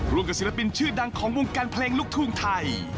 กับศิลปินชื่อดังของวงการเพลงลูกทุ่งไทย